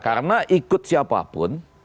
karena ikut siapa pun